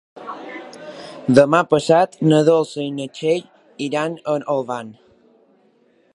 Demà passat na Dolça i na Txell iran a Olvan.